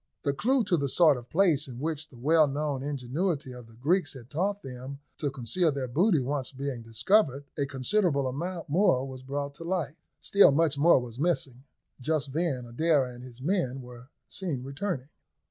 The clue to the sort of place in which the well known ingenuity of the Greeks had taught them to conceal their booty once being discovered, a considerable amount more was brought to light. Still much was missing. Just then Adair and his men were seen returning.